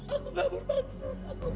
aku tak berpaksa